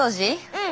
うん。